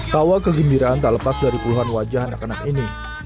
tawa kegembiraan tak lepas dari puluhan wajah anak anak ini